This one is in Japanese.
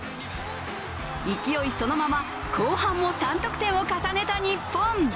勢いそのまま後半も３得点を重ねた日本。